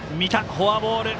フォアボール。